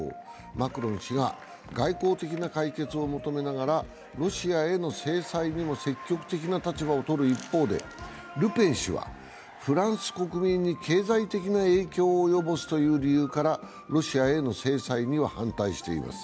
マクロン氏が外交的な解決を求めながら、ロシアへの制裁にも積極的な立場をとる一方で、ルペン氏はフランス国民に経済的な影響を及ぼすという理由からロシアへの制裁には反対しています。